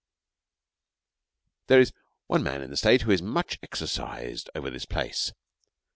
There is one man in the State who is much exercised over this place.